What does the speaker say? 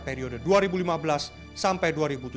periode dua ribu lima belas sampai dua ribu tujuh belas